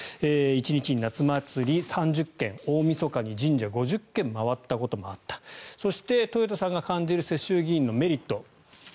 １日に夏祭り３０件大みそかに神社を５０件回ったこともあったそして豊田さんが感じる世襲議員のメリット